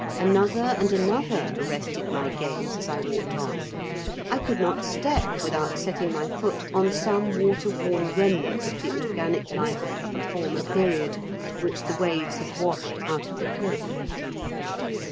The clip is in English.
Another and another arrested my gaze as I walked on; I could not step without setting my foot on some water worn remnant of the organic life of a former period which the waves had washed out of the cliff.